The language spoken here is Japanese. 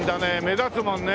目立つもんね。